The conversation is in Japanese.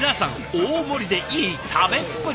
大盛りでいい食べっぷり！